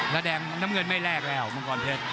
แล้วแดงน้ำเงินไม่แลกแล้วมังกรเพชร